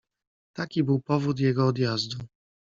"Taki był powód jego odjazdu“."